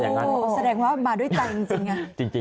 ก็บอกเบาะว่าจะไป